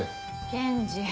検事。